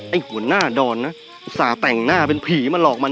หัวหน้าดอนนะอุตส่าห์แต่งหน้าเป็นผีมาหลอกมัน